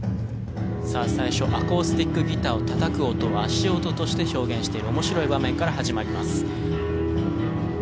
さあ最初アコースティックギターをたたく音を足音として表現している面白い場面から始まります。